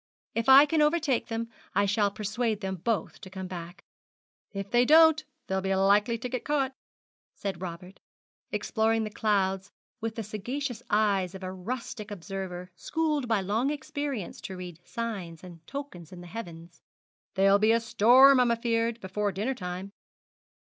If I can overtake them, I shall persuade them both to come back.' 'If they don't, they'll be likely to get caught,' said Robert, exploring the clouds with the sagacious eyes of a rustic observer schooled by long experience to read signs and tokens in the heavens. 'There'll be a storm, I'm afeard, before dinner time.'